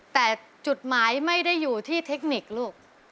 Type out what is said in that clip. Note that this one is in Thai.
แต่จุดหมายไม่ได้อยู่ที่เทคนิคลูก